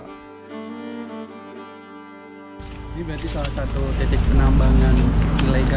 ini berarti salah satu titik penambangan ilegal